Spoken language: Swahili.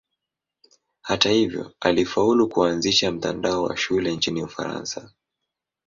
Hata hivyo alifaulu kuanzisha mtandao wa shule nchini Ufaransa.